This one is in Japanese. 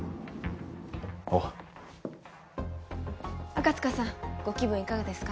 おう赤塚さんご気分いかがですか？